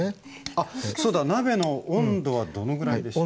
あっそうだ鍋の温度はどのぐらいでしょう。